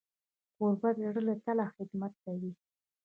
کوربه د زړه له تله خدمت کوي.